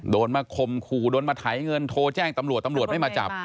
โดนมาข่มขู่โดนมาไถเงินโทรแจ้งตำรวจตำรวจไม่มาจับ